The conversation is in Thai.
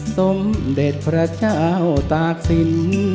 สมเด็จพระเจ้าตากสิน